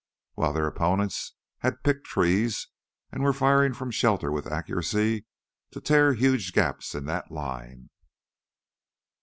While their opponents had "picked trees" and were firing from shelter with accuracy to tear huge gaps in that line.